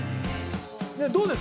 ◆どうです？